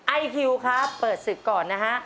ไอคิวครับเปิดศึกก่อนนะฮะ